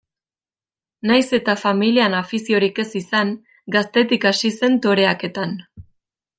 Nahiz eta familian afiziorik ez izan, gaztetik hasi zen toreaketan.